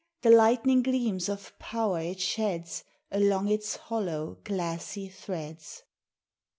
The lightning gleams of power it sheds Along its hollow glassy threads!